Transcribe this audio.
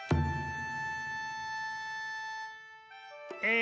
え